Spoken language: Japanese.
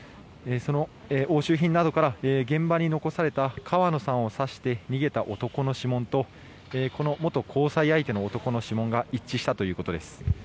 押収品などから現場に残された河野さんを刺して逃げた男の指紋とこの元交際相手の男の指紋が一致したということです。